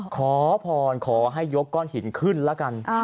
ขอพรขอให้ยกก้อนหินขึ้นแล้วกัน